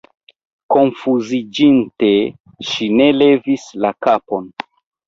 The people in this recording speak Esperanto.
Konfuziĝinte, ŝi ne levis la kapon.